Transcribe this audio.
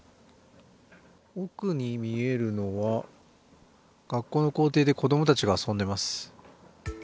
奥に見えるのは学校の校庭で、子供たちが遊んでいます。